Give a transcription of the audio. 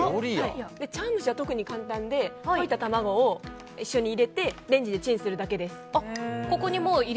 茶わん蒸しは特に簡単で溶いた卵を一緒に入れてレンジでチンするだけです。